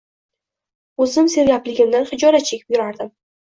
O`zim sergapligimdan xijolat chekib yurardim